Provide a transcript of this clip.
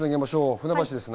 船橋ですね。